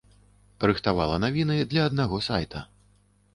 Рыхтавала навіны для аднаго сайта.